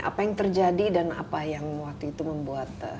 apa yang terjadi dan apa yang waktu itu membuat